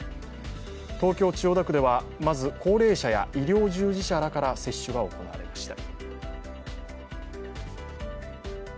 東京・千代田区ではまず高齢者や医療従事者らから接種が行われました。